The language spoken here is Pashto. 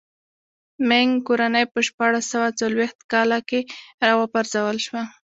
مینګ کورنۍ په شپاړس سوه څلوېښت کاله کې را و پرځول شوه.